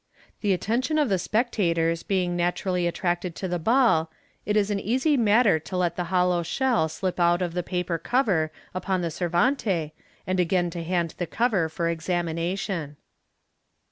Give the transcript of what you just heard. The attention of the spectators being naturally attracted to the ball, it is an easy matter to let the hollow shell slip out of the paper cover upon the servante, and again to hand the cover for examination.